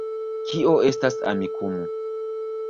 Kio estas Amikumu